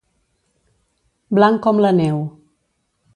Blanc com la neu.